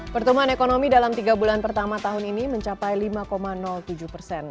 pertumbuhan ekonomi dalam tiga bulan pertama tahun ini mencapai lima tujuh persen